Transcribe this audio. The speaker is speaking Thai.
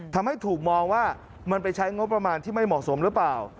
ทำให้ถูกมองว่ามันไปใช้งบประมาณที่ไม่เหมาะสมหรือเปล่า